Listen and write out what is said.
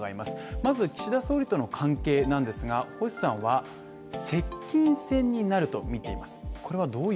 まず岸田総理との関係なんですが、星さんは接近戦になると見ています。